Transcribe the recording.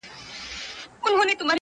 جونګړه د زمرو ده څوک به ځي څوک به راځي،